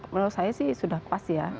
menurut saya sih sudah pas ya